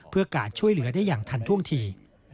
เพื่อการช่วยเหลือได้อย่างทันท่วงที